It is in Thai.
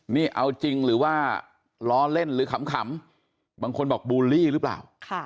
นี่เอาจริงหรือว่าล้อเล่นหรือขำบางคนบอกบูลลี่หรือเปล่า